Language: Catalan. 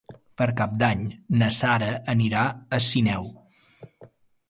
Per Cap d'Any na Sara anirà a Sineu.